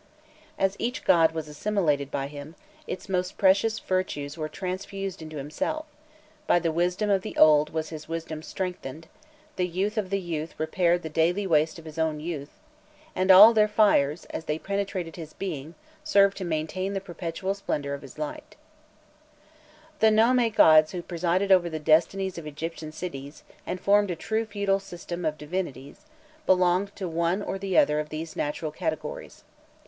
As each god was assimilated by him, its most precious virtues were transfused into himself; by the wisdom of the old was his wisdom strengthened, the youth of the young repaired the daily waste of his own youth, and all their fires, as they penetrated his being, served to maintain the perpetual splendour of his light. The nome gods who presided over the destinies of Egyptian cities, and formed a true feudal system of divinities, belonged to one or other of these natural categories.